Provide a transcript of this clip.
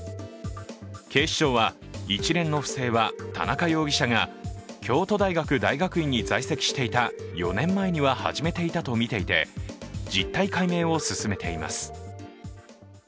警視庁は、一連の不正は田中容疑者が京都大学大学院に在籍していた４年前には始めていたとみていて、実態解明を進めています。